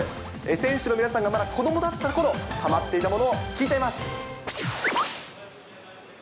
選手の皆さんがまだ子どもだったころ、はまっていたものを聞いちゃいます。